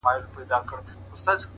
پرمختګ له آرامې سیمې بهر وي’